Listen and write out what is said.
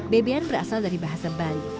bebean berasal dari bahasa bali